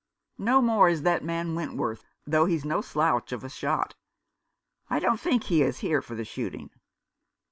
"No more is that man Wentworth's, though he's no slouch of a shot. I don't think he is here for the shooting."